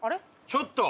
ちょっと！